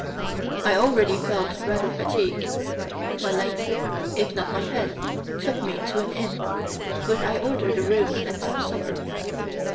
I already felt rather fatigued; my legs, if not my head, took me to an inn, where I ordered a room and some supper.